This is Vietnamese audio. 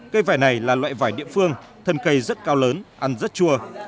cây vải này là loại vải địa phương thân cây rất cao lớn ăn rất chua